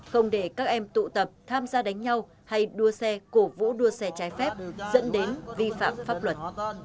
không để các em tụ tập tham gia đánh nhau hay đua xe cổ vũ đua xe trái phép dẫn đến vi phạm pháp luật